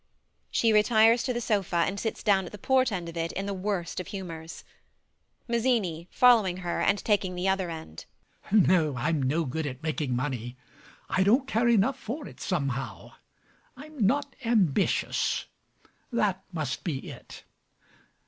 [She retires to the sofa, and sits down at the port end of it in the worst of humors]. MAZZINI [following her and taking the other end]. No: I'm no good at making money. I don't care enough for it, somehow. I'm not ambitious! that must be it.